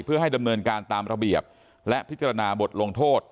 เพื่อให้ดำเนินการตามระเบียบและพิจารณาบทลงโทษ